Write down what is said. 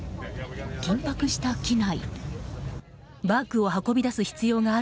緊迫した機内。